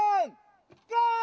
ゴー！